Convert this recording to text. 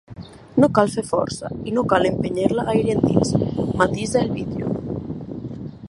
“No cal fer força, i no cal empènyer-la gaire endins”, matisa el vídeo.